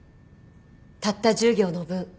たった１０行の文。